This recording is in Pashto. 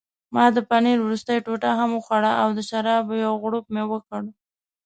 ما د پنیر وروستۍ ټوټه هم وخوړه او د شرابو یو غوړپ مې وکړ.